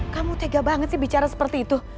kamu tega banget sih bicara seperti itu